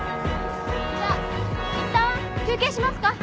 じゃあいったん休憩しますか。